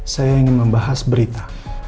saya ingin membahas berita